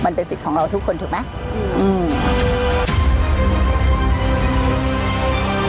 มันเป็นสิทธิ์ของเราทุกคนถูกไหมอือ